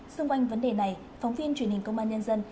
xung quanh vấn đề này phóng viên truyền hình công an nhân dân